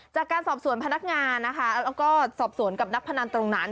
จากการสอบสวนพนักงานนะคะแล้วก็สอบสวนกับนักพนันตรงนั้น